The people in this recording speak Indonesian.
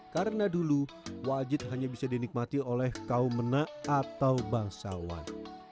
karena dulu wajib hanya bisa dinikmati oleh kaum mena atau bangsawan